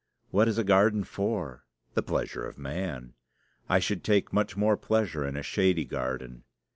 What is a garden for? The pleasure of man. I should take much more pleasure in a shady garden.